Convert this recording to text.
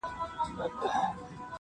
په دې غار کي چي پراته کم موږکان دي,